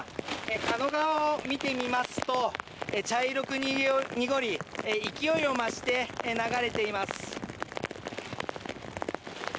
狩野川を見てみますと、茶色く濁り、勢いを増して流れています。